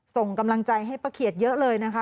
ส่งกำลังใจให้ป้าเขียดเยอะเลยนะคะ